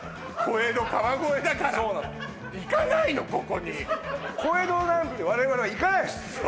小江戸川越だからそうなの行かないのここに小江戸なんて我々は行かないですそ